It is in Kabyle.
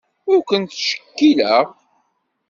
Ur ken-ttcekkileɣ.